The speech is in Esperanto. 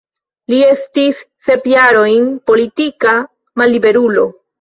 Li estis sep jarojn politika malliberulo.